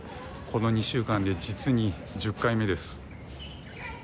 この２週間で実に１０回目です。